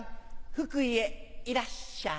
福井へいらっしゃい。